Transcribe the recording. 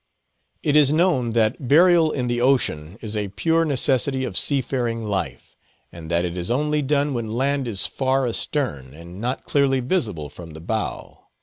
It is known that burial in the ocean is a pure necessity of sea faring life, and that it is only done when land is far astern, and not clearly visible from the bow.